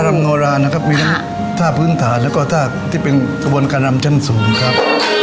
โนรานะครับมีทั้งท่าพื้นฐานแล้วก็ท่าที่เป็นกระบวนการนำชั้นสูงครับ